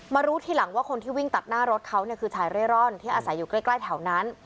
รู้ทีหลังว่าคนที่วิ่งตัดหน้ารถเขาเนี่ยคือชายเร่ร่อนที่อาศัยอยู่ใกล้แถวนั้น